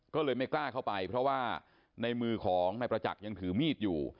ก็เลยไม่กล้าเข้าไปเพราะว่าในมือของนายประจักษ์ยังถือมีดอยู่